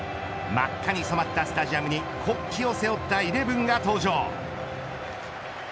真っ赤に染まったスタジアムに国旗を背負ったイレブンが登場。